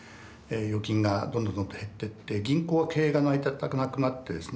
預金がどんどんどんどん減ってって銀行は経営が成り立たなくなってですね